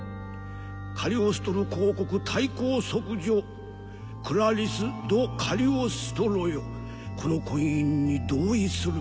カリオストロ公国大公息女クラリス・ド・カリオストロよこの婚姻に同意するか？